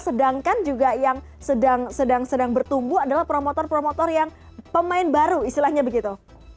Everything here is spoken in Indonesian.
sedangkan juga yang sedang sedang bertumbuh adalah promotor promotor yang pemain baru istilahnya begitu